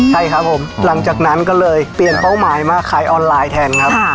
ใช่ครับผมหลังจากนั้นก็เลยเปลี่ยนเป้าหมายมาขายออนไลน์แทนครับ